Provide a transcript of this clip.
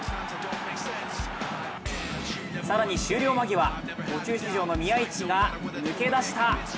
更に終了間際、途中出場の宮市が抜け出した！